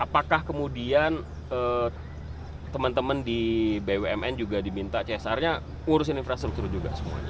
apakah kemudian teman teman di bumn juga diminta csr nya ngurusin infrastruktur juga semuanya